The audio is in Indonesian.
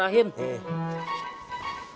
saya gak tegang liat orang dimarah marahin